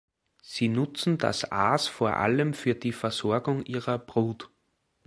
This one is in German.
Sie nutzen das Aas vor allem für die Versorgung ihrer Brut.